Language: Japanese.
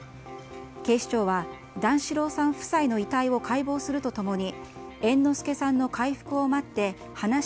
警視庁は段四郎さん夫妻の遺体を解剖すると共に